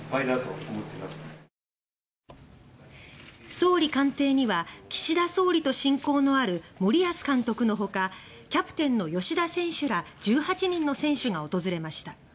総理官邸には岸田総理と親交のある森保監督のほかキャプテンの吉田選手など１８人の選手が訪れました。